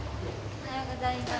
おはようございます。